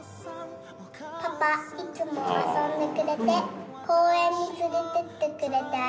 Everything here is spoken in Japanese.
パパいつも遊んでくれて公園に連れてってくれてありがとう。